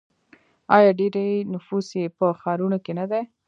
آیا ډیری نفوس یې په ښارونو کې نه دی؟